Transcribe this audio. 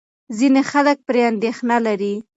ځینې خلک پرې اندېښنه لري.